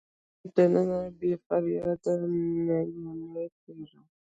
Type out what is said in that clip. زه په خپل وجود دننه بې فریاده نینې کیږم